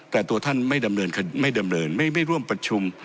แต่ตัวท่านไม่ดำเนินไม่ร่วมประชุม